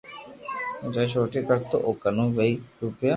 جي چوٽي ڪرتو او ڪنو وھي روپيہ